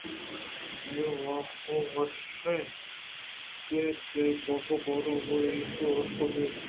آئی ءِواہگ ہم ہمیش اَت کہ گوں کاف ءَ گوٛر امباز ءُایوک ءَوش گپی بہ کنت ءُاے آوانی دیم ءِ جنجا ل اَنت بلئے شرّ ہمیش اِنت کہ